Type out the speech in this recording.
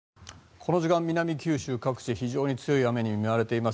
この時間、南九州各地非常に強い雨に見舞われています。